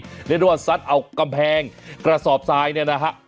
เรียกได้ว่าซัดเอากำแพงกระสอบทรายเนี่ยนะฮะ